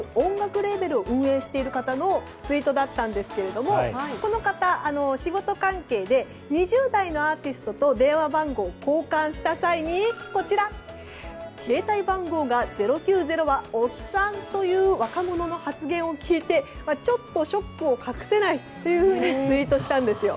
レーベルを運営している方のツイートだったんですがこの方仕事関係で２０代のアーティストと電話番号を交換した際に携帯番号が０９０はおっさんという若者の発言を聞いてちょっとショックを隠せないというふうにツイートしたんですよ。